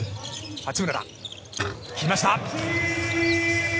八村が来ました。